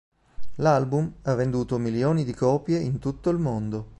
L'album ha venduto milioni di copie in tutto il mondo.